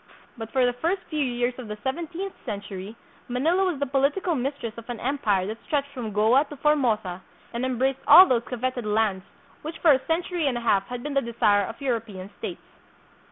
But for the first few years of the seventeenth century, Manila was the political mistress of an empire that stretched from Goa to Formosa and embraced all those coveted lands which for a century and a half had been the desire of European states.